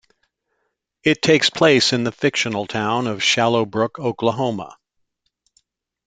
It takes place in the fictional town of Shallow Brook, Oklahoma.